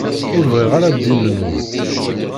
Ur bɣiɣ ara ddin-nwen.